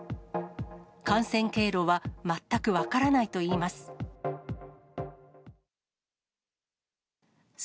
感染経路は全く分からないといいます。